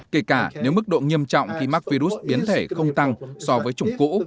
kể cả nếu mức độ nghiêm trọng khi mắc virus biến thể không tăng so với chủng cũ